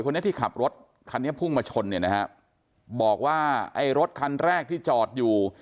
คนนี้ที่ขับรถคันนี้พุ่งมาชนเนี่ยนะฮะบอกว่าไอ้รถคันแรกที่จอดอยู่